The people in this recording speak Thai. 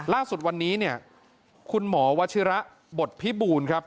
ล่าสุดวันนี้เนี่ยคุณหมอวัชิระบทพิบูลครับ